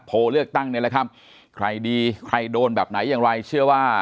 โพลเลือกตั้งนี่แหละครับใครดีใครโดนแบบไหนอย่างไรเชื่อว่า